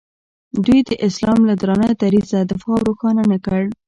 دوی د اسلام له درانه دریځه دفاع او روښانه نه کړ.